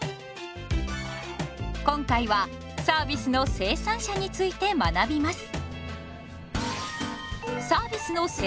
今回は「サービスの生産者」について学びます。